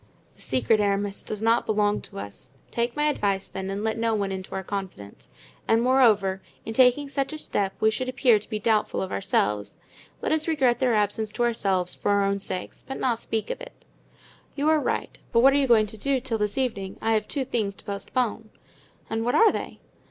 "This secret, Aramis, does not belong to us; take my advice, then, and let no one into our confidence. And moreover, in taking such a step we should appear to be doubtful of ourselves. Let us regret their absence to ourselves for our own sakes, but not speak of it." "You are right; but what are you going to do until this evening? I have two things to postpone." "And what are they?"